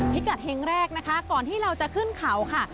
พิกัดเฮงแรกนะคะก่อนที่เราจะขึ้นเขาค่ะ